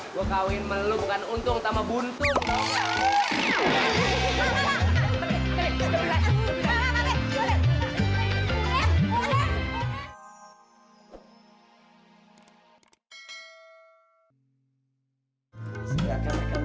gua kawin melukkan untung sama buntung